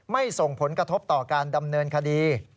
ส่งผลกระทบต่อการดำเนินคดี